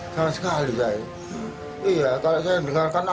terus sama istrinya apa